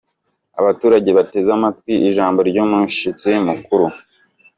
Abaturage bateze amatwi ijambo ry'umushyitsi mukuru.